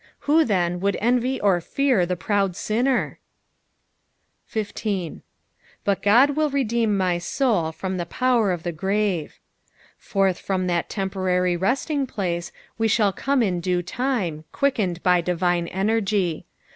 Who, then, would envy or fear (be proud sinner f 15. "But Ood ntU redeem my teid from the pomer of the grart." Forth from that temporary resting place we shall come in due time, quickened by divine energy.